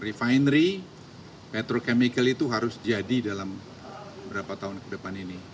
refinery petrochemical itu harus jadi dalam beberapa tahun ke depan ini